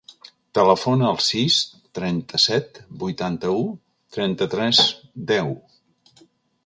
Telefona al sis, trenta-set, vuitanta-u, trenta-tres, deu.